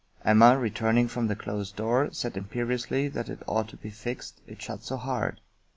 Emma, returning from the closed door, said imperiously that it ought to be fixed, it shut so hard.